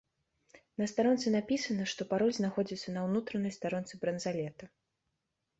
На старонцы напісана, што пароль знаходзіцца на ўнутранай старонцы бранзалета.